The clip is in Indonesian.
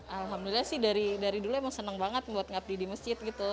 alhamdulillah sih dari dulu emang seneng banget buat ngabdi di masjid gitu